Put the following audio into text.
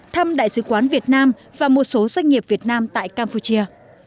thăm đại sứ quán việt nam và một số doanh nghiệp việt nam tại campuchia